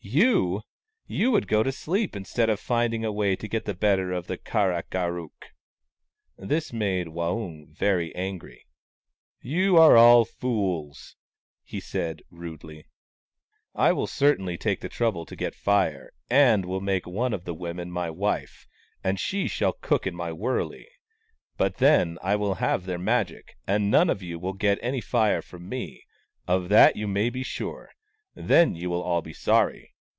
" You ! You would go to sleep instead of finding a way to get the better of the Kar ak ar ook !" This made Waung very angry. " You arc all fools !" he said, rudely. " I will certainly take the trouble to get Fire, and will make one of the women my wife, and she shall cook in my wurley. But then I will have their Magic, and none of you will get any Fire from me, of that you may be sure. Then you will all be sorry